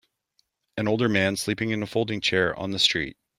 An older man sleeping in a folding chair on the street.